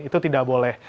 itu tidak boleh